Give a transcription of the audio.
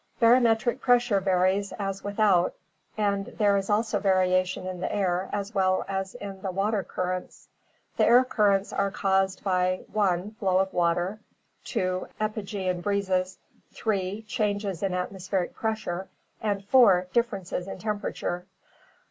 — Barometric pressure varies as without and there is also variation in the air as well as in the water currents. The air currents are caused by (1) flow of water, (2) epigean breezes, (3) changes in atmospheric pressure, and (4) differences in tem perature.